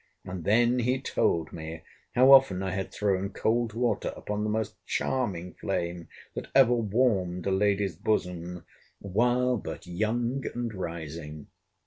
And then he told me, how often I had thrown cold water upon the most charming flame that ever warmed a lady's bosom, while but young and rising.